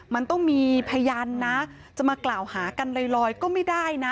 มันต้องมีพยานนะจะมากล่าวหากันลอยก็ไม่ได้นะ